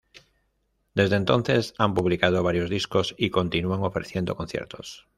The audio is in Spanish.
Desde entonces han publicado varios discos y continúan ofreciendo conciertos.